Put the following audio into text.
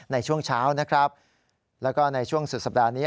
ในช่วงเช้านะครับแล้วก็ในช่วงสุดสัปดาห์นี้